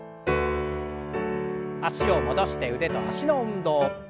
脚を戻して腕と脚の運動。